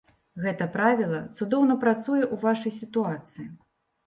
Гэта правіла цудоўна працуе ў вашай сітуацыі.